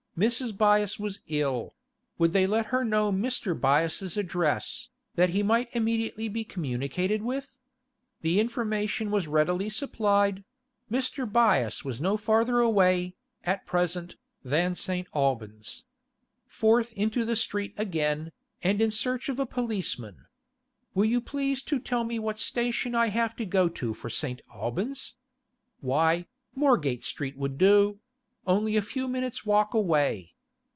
Mrs. Byass was ill; would they let her know Mr. Byass's address, that he might immediately be communicated with? The information was readily supplied; Mr. Byass was no farther away, at present, than St. Albans. Forth into the street again, and in search of a policeman. 'Will you please to tell me what station I have to go to for St. Albans?' Why, Moorgate Street would do; only a few minutes' walk away.